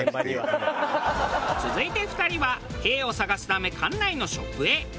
続いて２人は「へぇ」を探すため館内のショップへ。